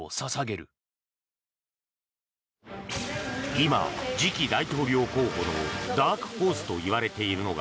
今、次期大統領候補のダークホースといわれているのが